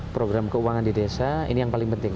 program keuangan di desa ini yang paling penting